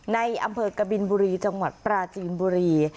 ในอำเภอกบินบุรีจังหวัดปราจีนบุรี